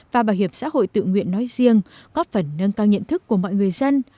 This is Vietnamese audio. và bảo hiểm xã hội tự nguyện nói riêng góp phần nâng cao nhận thức của mọi người dân